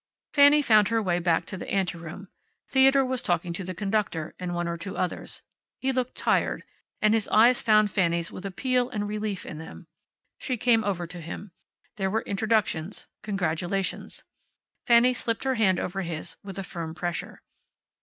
Fanny found her way back to the ante room. Theodore was talking to the conductor, and one or two others. He looked tired, and his eyes found Fanny's with appeal and relief in them. She came over to him. There were introductions, congratulations. Fanny slipped her hand over his with a firm pressure.